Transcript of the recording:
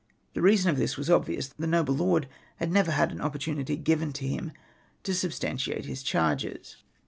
The reason of this was obvious ; the noble lord had never had an oppor tunity given liim to sid3stantiate his charges.